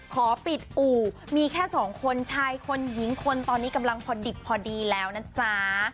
ขอปิดอู่มีแค่สองคนชายคนหญิงคนตอนนี้กำลังพอดิบพอดีแล้วนะจ๊ะ